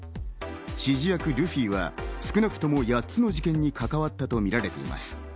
指示役・ルフィは少なくとも８つの事件に関わったとみられています。